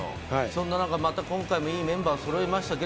また今回もいいメンバーがそろいましたね。